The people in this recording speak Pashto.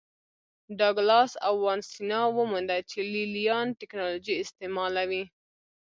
ډاګلاس او وانسینا ومونده چې لې لیان ټکنالوژي استعملوي